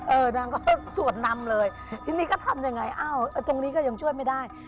นางก็สวดนำเลยทีนี้ก็ทำยังไงอ้าวตรงนี้ก็ยังช่วยไม่ได้